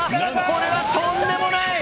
これはとんでもない！